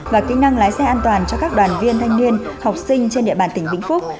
và kỹ năng lái xe an toàn cho các đoàn viên thanh niên học sinh trên địa bàn tỉnh vĩnh phúc